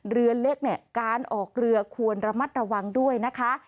เรือเล็กเนี่ยการออกเรือควรระมัดระวังด้วยนะคะ